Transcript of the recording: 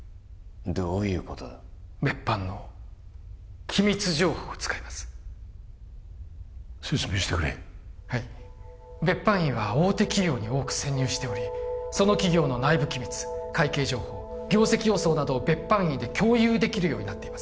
どういうことだ別班の機密情報を使います説明してくれはい別班員は大手企業に多く潜入しておりその企業の内部機密会計情報業績予想などを別班員で共有できるようになっています